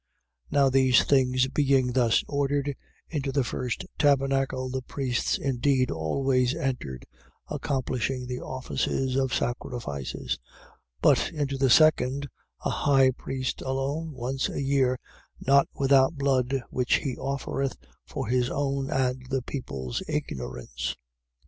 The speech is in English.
Now these things being thus ordered, into the first tabernacle, the priests indeed always entered, accomplishing the offices of sacrifices. 9:7. But into the second, the high priest alone, once a year: not without blood, which he offereth for his own and the people's ignorance: 9:8.